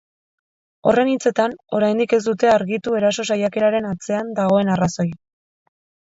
Horren hitzetan, oraindik ez dute argitu eraso saiakeraren atzean dagoen arrazoia.